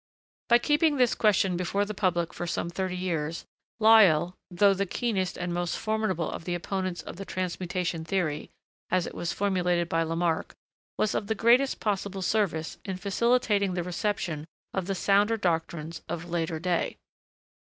By keeping this question before the public for some thirty years, Lyell, though the keenest and most formidable of the opponents of the transmutation theory, as it was formulated by Lamarck, was of the greatest possible service in facilitating the reception of the sounder doctrines of a later day.